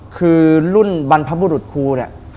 คือรุ่นบรรพบุรุษครูเนี่ย